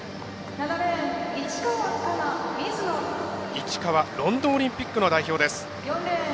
市川、ロンドンオリンピックの代表です。